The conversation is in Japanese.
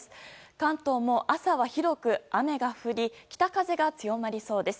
関東も朝は広く雨が降り北風が強まりそうです。